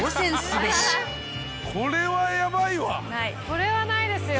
これはないですよ。